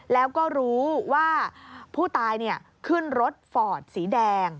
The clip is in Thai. แล้วก็รู้ว่าผู้ตายขึ้นรถฟอร์ดสีแดง